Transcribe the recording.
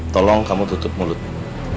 tolong kamu tutup mulutmu